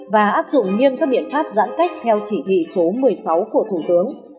và áp dụng nghiêm các biện pháp giãn cách theo chỉ thị số một mươi sáu của thủ tướng